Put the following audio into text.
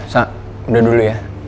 kak udah dulu ya